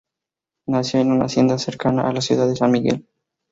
Nació en una hacienda cercana a la ciudad de San Miguel.